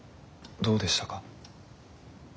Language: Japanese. どうでしたか？